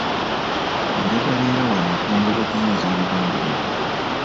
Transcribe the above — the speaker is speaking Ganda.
Njagala era wano okwongera okunyweza ebigambo bino.